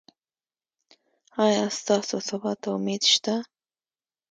ایا ستاسو سبا ته امید شته؟